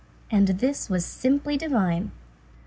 And this was simply divine.